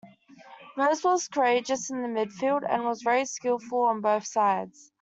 Rose was courageous in the midfield, and was very skillful on both sides.